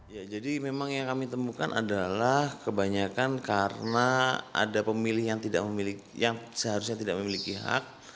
ya jadi memang yang kami temukan adalah kebanyakan karena ada pemilih yang seharusnya tidak memiliki hak